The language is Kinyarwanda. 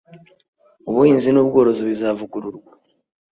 ubuhinzi n ubworozi bizavugururwa